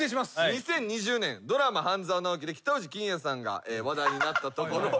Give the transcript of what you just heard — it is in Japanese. ２０２０年ドラマ『半沢直樹』で北大路欣也さんが話題になったところ。